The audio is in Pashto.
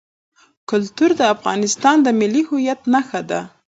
کلتور د افغانستان د ملي هویت نښه ده.